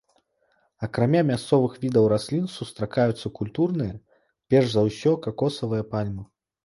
Акрамя мясцовых відаў раслін сустракаюцца культурныя, перш за ўсё какосавая пальма.